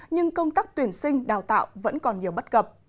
nhưng công tắc tuyển sinh đào tạo vẫn còn nhiều bất gập